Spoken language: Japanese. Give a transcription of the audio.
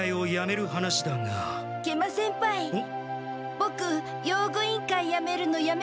ボク用具委員会やめるのやめます！